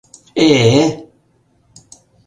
Э-э-э...